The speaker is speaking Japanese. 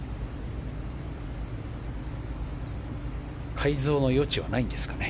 改造の余地はないんですかね。